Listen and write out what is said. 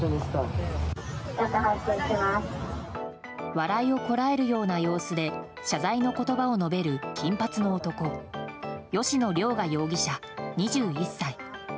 笑いをこらえるような様子で謝罪の言葉を述べる金髪の男吉野凌雅容疑者、２１歳。